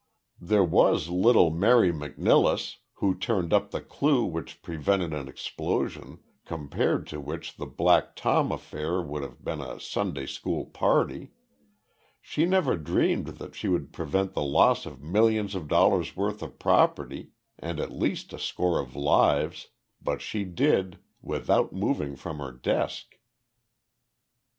"There was little Mary McNilless, who turned up the clue which prevented an explosion, compared to which the Black Tom affair would have been a Sunday school party. She never dreamed that she would prevent the loss of millions of dollars' worth of property and at least a score of lives, but she did without moving from her desk."